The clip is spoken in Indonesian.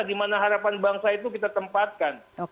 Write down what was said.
di mana harapan bangsa itu kita tempatkan